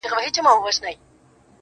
بُت سازېده او د مسجد ملا سلگۍ وهلې~